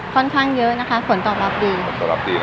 ค่อนข้างเยอะนะคะผลตอบรับดี